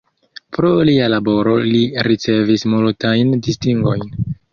Pro lia laboro li ricevis multajn distingojn.